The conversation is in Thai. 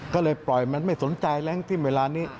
ก็เลยปล่อยมันไม่สนใจแรงทิ้มเวลานี้